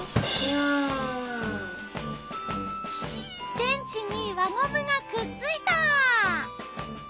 電池に輪ゴムがくっついた！